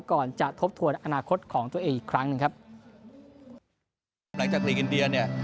ก่อนจะทบทวนอนาคตของตัวเองอีกครั้งหนึ่งครับหลังจากหลีกอินเดียเนี่ย